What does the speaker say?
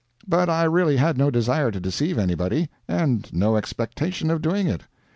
But I really had no desire to deceive anybody, and no expectation of doing it.